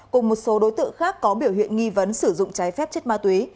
cùng một số đối tượng khác có biểu hiện nghi vấn sử dụng trái phép chất ma túy